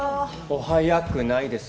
お早くないです